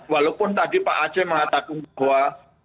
walaupun tadi pak aceh mengatakan bahwa